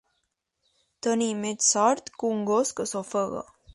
Tenir més sort que un gos que s'ofega.